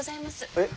えっ。